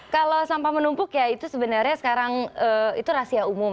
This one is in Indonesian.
kalau sampah menumpuk ya itu sebenarnya sekarang itu rahasia umum